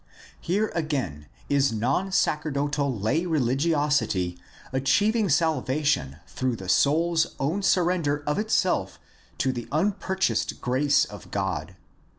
Here again is non sacerdotal lay religiosity achieving salvation through the soul's own surrender of itself to the unpurchased grace of God.